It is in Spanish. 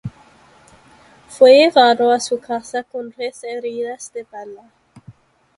Fue llevado a su casa con tres heridas de bala.